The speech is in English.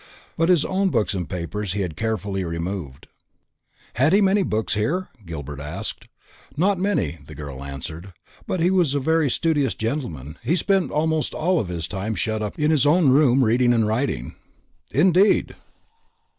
But his own books and papers he had carefully removed. "Had he many books here?" Gilbert asked. "Not many," the girl answered; "but he was a very studious gentleman. He spent almost all his time shut up in his own room reading and writing." "Indeed!"